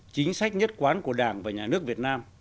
chính sách nhất quán của đảng và nhà nước việt nam